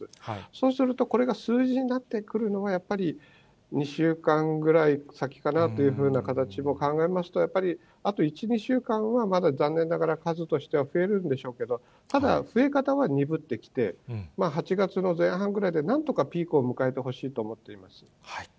そうすると、これが数字になってくるのは、やっぱり２週間ぐらい先かなというふうな形も考えますと、やっぱりあと１、２週間はまだ残念ながら数としては増えるんでしょうけど、ただ、増え方は鈍ってきて、８月の前半ぐらいでなんとかピークを迎えてほしいと思っています。